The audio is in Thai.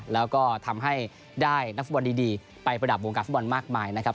แล้วก็ทำให้ได้นักฟุตบอลดีไปประดับวงการฟุตบอลมากมายนะครับ